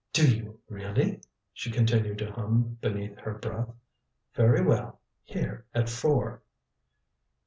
"Do you really?" She continued to hum beneath her breath. "Very well here at four."